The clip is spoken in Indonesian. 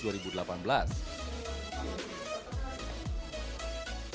bambang menangkan kemampuan menangkan